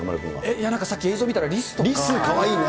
いや、なんかさっき映像見たら、リス。リスかわいいね。